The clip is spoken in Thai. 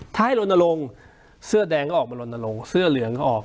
ถ้าให้ลนลงเสื้อแดงก็ออกมาลนลงเสื้อเหลืองก็ออก